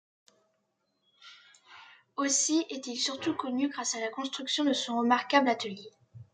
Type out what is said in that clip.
Aussi est-il surtout connu grâce à la construction de son remarquable atelier.